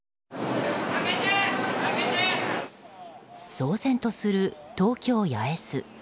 騒然とする東京・八重洲。